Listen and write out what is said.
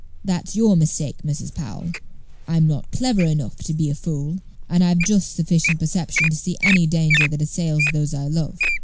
That's your mistake, Mrs. Powell; I'm not clever enough to be a fool, and I've just sufficient perception to see any danger that assails those I love.